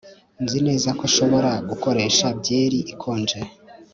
Nzi neza ko nshobora gukoresha byeri ikonje